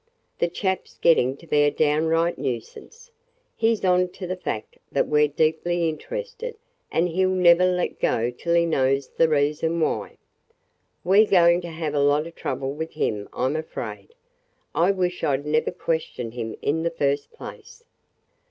"The chap 's getting to be a downright nuisance. He 's on to the fact that we 're deeply interested and he 'll never let go till he knows the reason why. We 're going to have a lot of trouble with him, I 'm afraid. I wish I 'd never questioned him in the first place.